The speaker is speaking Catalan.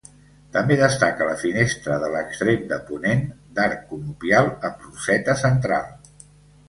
També destaca la finestra de l'extrem de ponent, d'arc conopial amb roseta central.